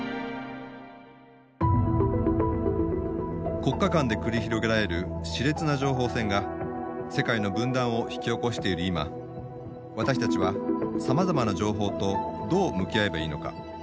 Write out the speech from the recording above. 国家間で繰り広げられるしれつな情報戦が世界の分断を引き起こしている今私たちはさまざまな情報とどう向き合えばいいのか。